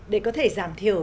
để có thể giảm thiểu